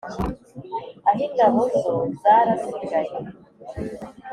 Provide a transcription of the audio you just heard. ah'ingabo zo zarasigaye